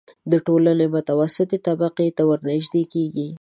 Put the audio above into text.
د ټولنې متوسطې طبقې ته ورنژدې کېږي.